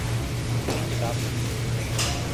پوری کتاب نہیں۔